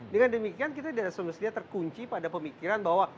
dengan demikian kita tidak semestinya terkunci pada pemikiran bahwa